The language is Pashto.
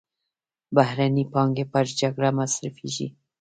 بهرنۍ پانګې پر جګړه مصرفېږي.